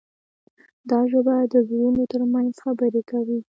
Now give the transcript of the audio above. دا ژبه د زړونو ترمنځ خبرې کوي.